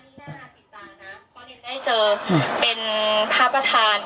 พอเรียนได้เจอเป็นพระประธาน